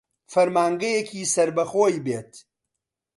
فەرمانگەیەکی سەر بە خۆی بێت